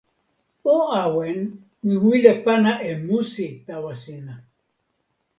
o awen, mi wile pana e musi tawa sina.